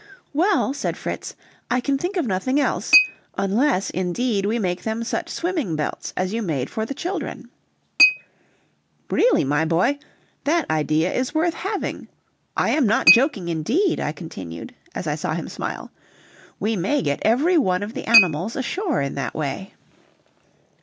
"Well," said Fritz, "I can think of nothing else, unless indeed we make them such swimming belts as you made for the children." "Really, my boy, that idea is worth having. I am not joking, indeed," I continued, as I saw him smile; "we may get every one of the animals ashore in that way."